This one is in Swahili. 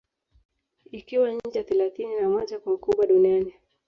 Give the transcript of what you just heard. Ikiwa nchi ya thelathini na moja kwa ukubwa Duniani